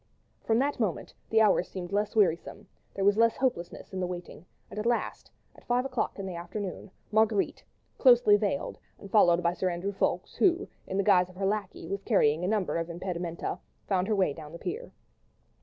From that moment the hours seemed less wearisome; there was less hopelessness in the waiting; and at last, at five o'clock in the afternoon, Marguerite, closely veiled and followed by Sir Andrew Ffoulkes, who, in the guise of her lacquey, was carrying a number of impedimenta, found her way down to the pier.